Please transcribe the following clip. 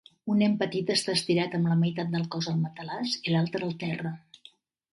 Un nen petit està estirat amb la meitat del cos al matalàs i l'altra al terra.